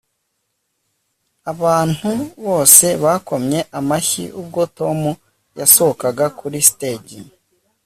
Abantu bose bakomye amashyi ubwo Tom yasohokaga kuri stage